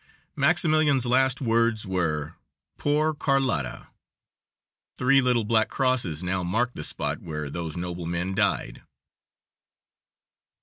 Maximilian's last words were: "Poor Carlotta." Three little black crosses now mark the spot where those noble men died.